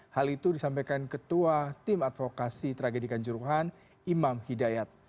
hal itu disampaikan ketua tim advokasi tragedikan juruhan imam hidayat